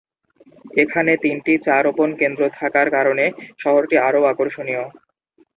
এখানে তিনটি চা রোপণ কেন্দ্র থাকার কারণে শহরটি আরও আকর্ষণীয়।